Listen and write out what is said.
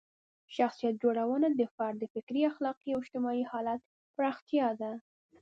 شخصیت جوړونه د فرد د فکري، اخلاقي او اجتماعي حالت پراختیا ده.